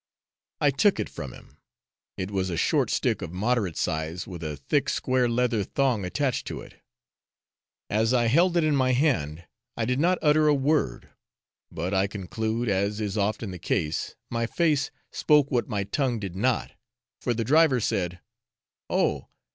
I took it from him; it was a short stick of moderate size, with a thick square leather thong attached to it. As I held it in my hand, I did not utter a word; but I conclude, as is often the case, my face spoke what my tongue did not, for the driver said, 'Oh!